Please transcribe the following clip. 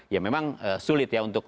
ya memang sulit ya untuk